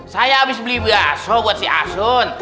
saya habis beli baso buat si asun